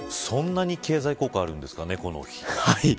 そんなに経済効果あるんですか猫の日。